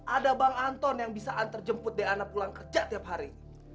ada bang anton yang bisa antar jemput diana pulang kerja tiap hari